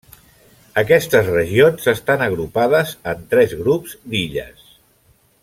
Aquestes regions estan agrupades en tres grups d'illes: